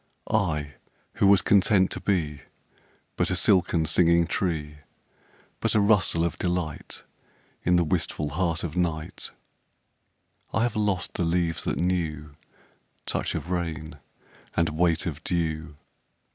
I who was content to be But a silken singing tree, But a rustle of delight In the wistful heart of night I have lost the leaves that knew Touch of rain and weight of dew.